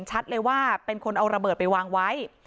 ชัดเลยว่าเป็นคนเอาระเบิดไปวางไว้